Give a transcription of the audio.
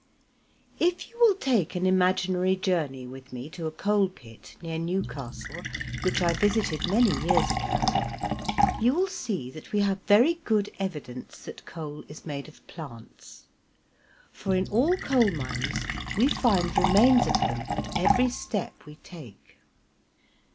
If you will take an imaginary journey with me to a coal pit near Newcastle, which I visited many years ago, you will see that we have very good evidence that coal is made of plants, for in all coal mines we find remains of them at every step we take.